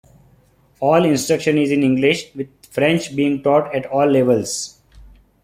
All instruction is in English, with French being taught at all levels.